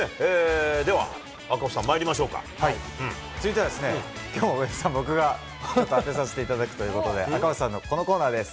では、赤星さんまいりまし続いてはきょう、上田さん僕が当てさせていただくということで、赤星さんのこのコーナーです。